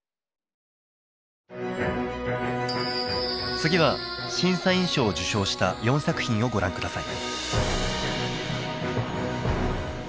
次は審査員賞を受賞した４作品をご覧下さい。